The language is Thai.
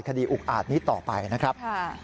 อุกอาจนี้ต่อไปนะครับ